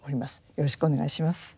よろしくお願いします。